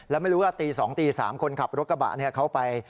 แล้วไม่รู้ว่าตี๒ตี๓คนขับรถกระบะเขาไป